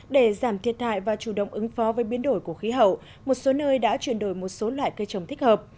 để giảm thiệt hại và chủ động ứng phó với biến đổi của khí hậu một số nơi đã chuyển đổi một số loại cây trồng thích hợp